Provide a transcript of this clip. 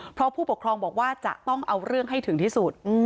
เพราะผู้ปกครองบอกว่าจะต้องเอาเรื่องให้ถึงที่สุด